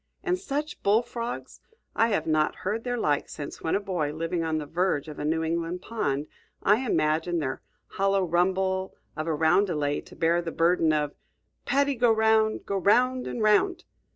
And such bullfrogs! I have not heard their like since, when a boy, living on the verge of a New England pond, I imagined their hollow rumble of a roundelay to bear the burden of "Paddy, go 'round! Go 'round and 'round!"